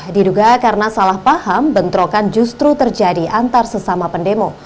diduga karena salah paham bentrokan justru terjadi antar sesama pendemo